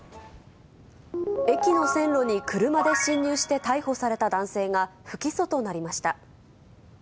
駅の線路に車で進入して逮捕された男性が不起訴となりました。